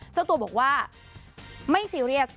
เจ้าตัวบอกว่าไม่ซีเรียส